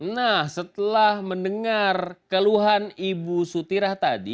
nah setelah mendengar keluhan ibu sutira tadi